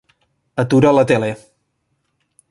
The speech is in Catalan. Atura la tele.